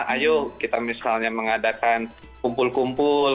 ayo kita misalnya mengadakan kumpul kumpul